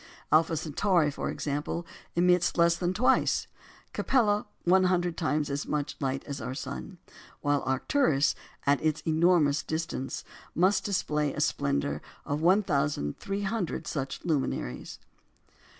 Alpha Centauri, for example, emits less than twice, Capella one hundred times as much light as our sun; while Arcturus, at its enormous distance, must display the splendour of 1,300 such luminaries.